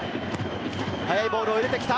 速いボールを入れてきた。